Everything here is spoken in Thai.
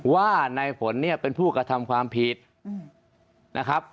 ว่าในฝนเนี่ยเป็นผู้กระทำความผิดนะครับ